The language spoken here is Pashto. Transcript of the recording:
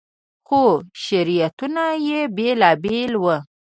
خو شریعتونه یې بېل بېل وو.